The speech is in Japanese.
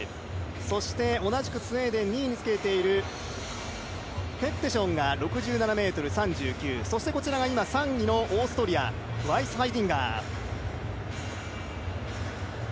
そして同じくスウェーデン２位につけているペッテションが６７ｍ３９、こちらは今３位のオーストリア、ワイスハイディンガー。